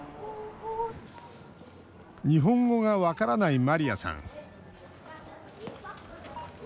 日本語が分からないマリアさん。